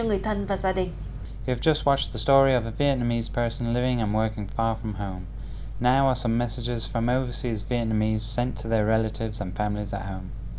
gửi về cho người thân và gia đình